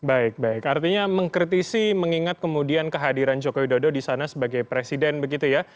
baik baik artinya mengkritisi mengingat kemudian kehadiran jokowi dodo disana sebagai presiden begitu ya